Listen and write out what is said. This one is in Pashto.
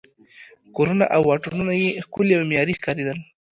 کورونه او واټونه یې ښکلي او معیاري ښکارېدل.